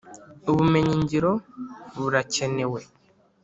ubumenyi ngiro burakenewe.